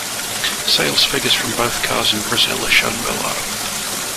Sales figures from both cars in Brazil are shown below.